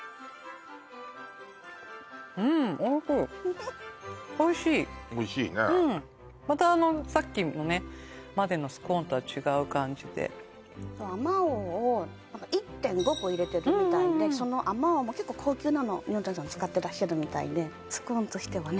うんおいしいまたあのさっきまでのスコーンとは違う感じであまおうを１．５個入れてるみたいでそのあまおうも結構高級なのをニューオータニさん使ってらっしゃるみたいでスコーンとしてはね